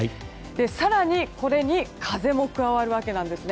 更に、これに風も加わるわけなんですね。